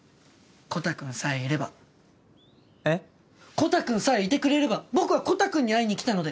コタくんさえいてくれれば僕はコタくんに会いに来たので。